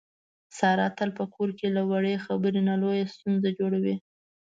ساره تل په کور کې له وړې خبرې نه لویه ستونزه جوړي.